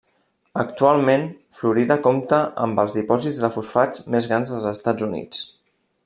Actualment Florida compta amb els dipòsits de fosfats més grans dels Estats Units.